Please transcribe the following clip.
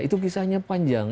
itu kisahnya panjang